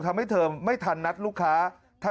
ทำให้เธอไม่ทันนัดลูกค้า